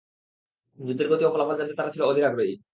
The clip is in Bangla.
যুদ্ধের গতি ও ফলাফল জানতে তারা ছিল অধীর আগ্রহী।